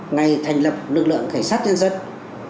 ngày thành lập lực lượng cảnh sát nhân dân